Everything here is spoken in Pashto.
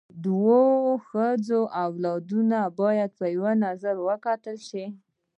د دوو ښځو اولاده باید په یوه نظر وکتل سي.